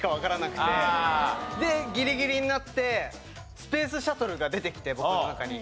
ギリギリになってスペースシャトルが出てきて僕の中に。